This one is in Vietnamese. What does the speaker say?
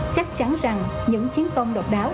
chắc chắn rằng những chiến công độc đáo